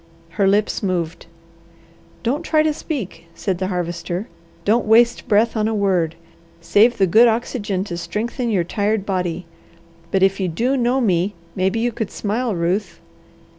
Her lips moved. "Don't try to speak," said the Harvester. "Don't waste breath on a word. Save the good oxygen to strengthen your tired body. But if you do know me, maybe you could smile, Ruth!"